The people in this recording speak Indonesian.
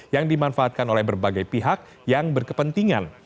yang dimanfaatkan oleh berbagai pihak yang berkepentingan